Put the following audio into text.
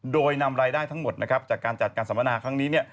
โดยนำรายได้ทั้งหมดนะครับจากการจัดการสัมมนาครั้งนี้เนี่ย